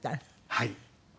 はい。